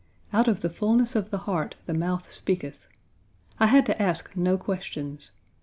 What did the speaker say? Out of the fulness of the heart the mouth speaketh. I had to ask no questions.